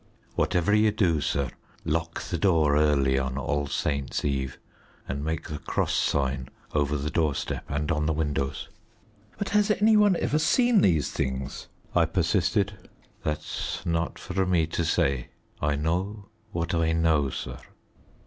"Whatever you do, sir, lock the door early on All Saints' Eve, and make the cross sign over the doorstep and on the windows." "But has any one ever seen these things?" I persisted. "That's not for me to say. I know what I know, sir."